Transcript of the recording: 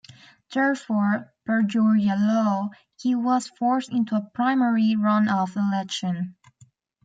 Therefore, per Georgia law he was forced into a primary runoff election.